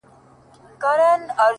زړه راته زخم کړه! زارۍ کومه!